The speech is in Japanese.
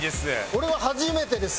俺は初めてです。